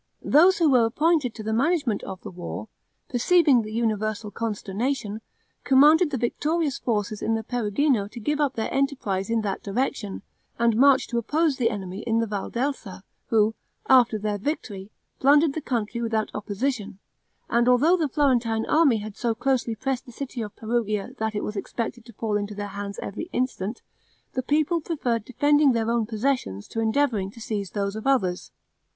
Those who were appointed to the management of the war, perceiving the universal consternation, commanded the victorious forces in the Perugino to give up their enterprise in that direction, and march to oppose the enemy in the Val d'Elsa, who, after their victory, plundered the country without opposition; and although the Florentine army had so closely pressed the city of Perugia that it was expected to fall into their hands every instant, the people preferred defending their own possessions to endeavoring to seize those of others.